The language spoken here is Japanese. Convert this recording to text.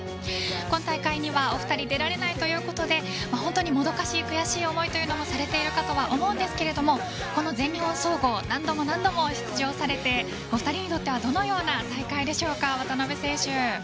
今大会にはお二人出られないということで本当にもどかしい、悔しい思いもされているかと思うんですが全日本総合何度も何度も出場されてお二人にとってはどのような大会でしょうか？